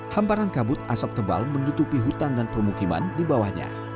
hamparan kabut asap tebal menutupi hutan dan permukiman di bawahnya